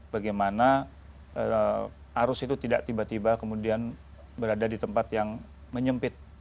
bagaimana arus itu tidak tiba tiba kemudian berada di tempat yang menyempit